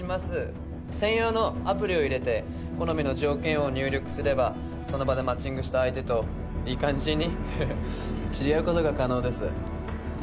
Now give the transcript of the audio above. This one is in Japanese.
専用のアプリを入れて好みの条件を入力すればその場でマッチングした相手といい感じに知り合う事が可能です。